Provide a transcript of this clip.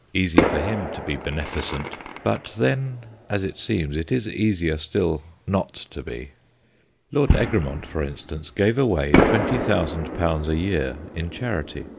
Easy for him to be beneficent, but then, as it seems, it is easier still not to be. Lord Egremont, for instance, gave away 20,000 a year in charity.